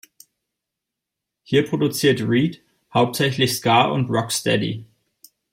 Hier produzierte Reid hauptsächlich Ska und Rocksteady.